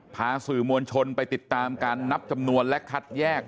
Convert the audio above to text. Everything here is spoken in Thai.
พาสื่อมวลชนไปติดตามการนับจำนวนและคัดแยก